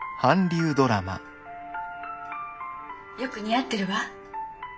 「よく似合ってるわ」。